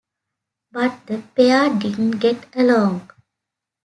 But the pair didn't get along.